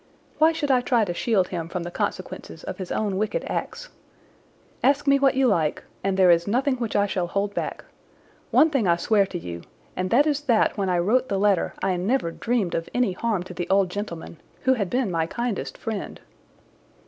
Why should I try to shield him from the consequences of his own wicked acts? Ask me what you like, and there is nothing which I shall hold back. One thing I swear to you, and that is that when I wrote the letter I never dreamed of any harm to the old gentleman, who had been my kindest friend."